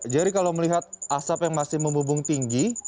jadi kalau melihat asap yang masih membubung tinggi